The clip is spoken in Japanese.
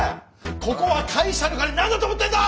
ここは会社の金何だと思ってんだ！